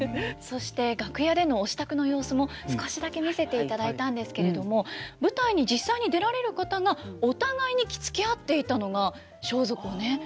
そして楽屋でのお支度の様子も少しだけ見せていただいたんですけれども舞台に実際に出られる方がお互いに着付け合っていたのが装束をね。